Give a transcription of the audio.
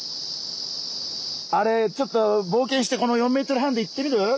あれちょっとぼう険してこの４ｍ半でいってみる？